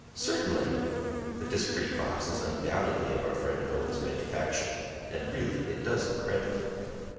Certainly! But this pretty box is undoubtedly of our friend Owen's manufacture; and really it does him credit."